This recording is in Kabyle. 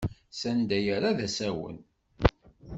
S anda yerra d asawen.